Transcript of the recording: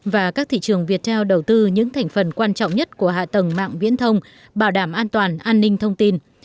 và các thị trường việt theo đầu tư những thành phần quan trọng nhất của hạ tầng mạng viễn thông bảo đảm an toàn an ninh thông tin